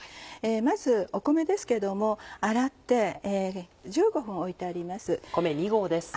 まず米ですけれども洗って１５分置いてあります。